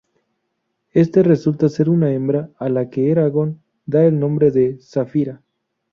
Este resulta ser una hembra a la que Eragon da el nombre de Saphira.